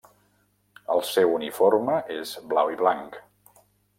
El seu uniforme és blau i blanc.